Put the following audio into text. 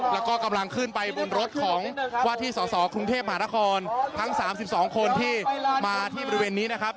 แล้วก็กำลังขึ้นไปบนรถของว่าที่สสกรุงเทพมหานครทั้ง๓๒คนที่มาที่บริเวณนี้นะครับ